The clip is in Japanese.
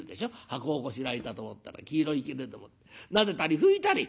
箱をこしらえたと思ったら黄色いきれでもってなでたり拭いたり」。